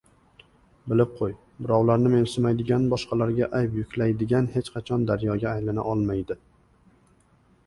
Bilib qoʻy, birovlarni mensimaydigan, boshqalarga ayb yuklaydiganlar hech qachon daryoga aylana olmaydi!”